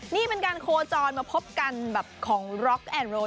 นี่เป็นการโคจรมาพบกันแบบของร็อกแอนโร